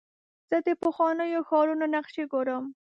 زه د پخوانیو ښارونو نقشې ګورم.